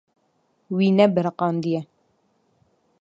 Wî nebiriqandiye.